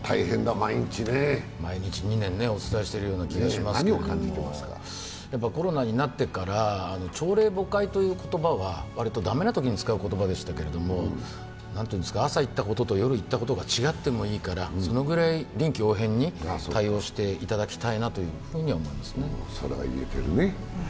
毎日２年お伝えしているような感じがしますけどコロナになってから朝令暮改という言葉はわりと駄目なときに使う言葉でしたけれども、朝言ったことと夜言ったことが違ってもいいからそのぐらい、臨機応変に対応していただきたいなと思いますね。